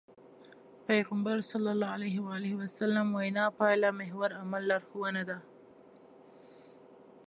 پيغمبر ص وينا پايلهمحور عمل لارښوونه ده.